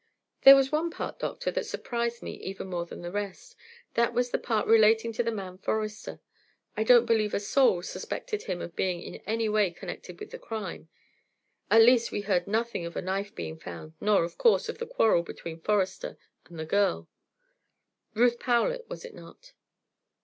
"There was one part, doctor, that surprised me even more than the rest that was the part relating to the man Forester. I don't believe a soul suspected him of being in any way connected with the crime. At least we heard nothing of a knife being found, nor, of course, of the quarrel between Forester and the girl; Ruth Powlett, was it not?"